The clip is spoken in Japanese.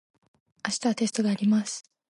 明日はテストがあります。